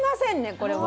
これは。